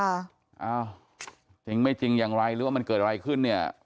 อ้าวจริงไม่จริงอย่างไรหรือว่ามันเกิดอะไรขึ้นเนี่ย